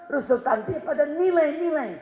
resultantnya pada nilai nilai